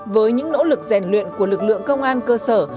với những nỗ lực rèn luyện của lực lượng công an cơ sở